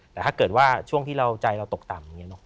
แต่ถ้าเกิดว่าช่วงที่ใจเราตกต่ำ